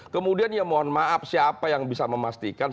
kemudian ya mohon maaf siapa yang bisa memastikan